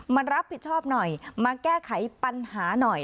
มารับผิดชอบหน่อยมาแก้ไขปัญหาหน่อย